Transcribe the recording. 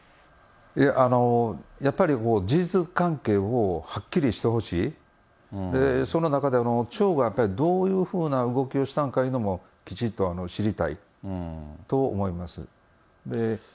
やっぱり事実関係をはっきりしてほしい、その中で町がやっぱりどういうふうな動きをしたんかいうのもきちっと知りたいと思います。